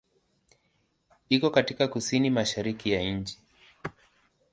Iko katika kusini-mashariki ya nchi.